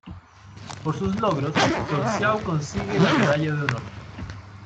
Por sus logros, Clouseau consigue la Medalla de Honor.